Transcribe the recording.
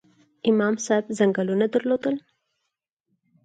امام صاحب ځنګلونه درلودل؟